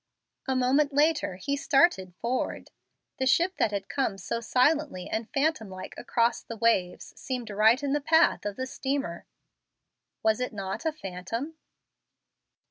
A moment later he started forward. The ship that had come so silently and phantom like across the waves seemed right in the path of the steamer. Was it not a phantom?